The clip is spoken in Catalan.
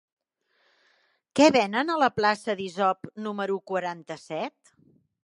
Què venen a la plaça d'Isop número quaranta-set?